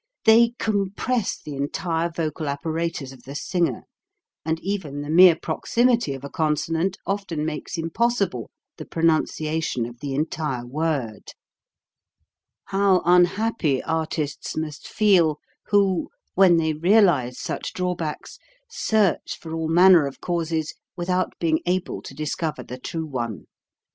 They compress the entire vocal apparatus of the singer and even the mere proximity of a consonant often makes impos sible the pronunciation of the entire word. How unhappy artists must feel, who, when they realize such drawbacks, search for ah* 298 HOW TO SING manner of causes without being able to discover the true one.